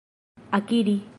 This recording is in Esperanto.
akiri